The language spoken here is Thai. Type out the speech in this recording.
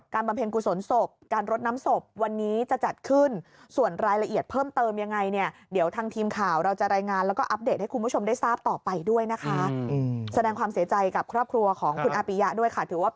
การประเภทคุสสมสมการรดน้ำศพวันนี้จะจัดขึ้นส่วนรายละเอียดเพิ่มเติมยังไงเนี่ย